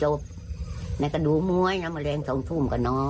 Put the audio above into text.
หยอดต่อวัน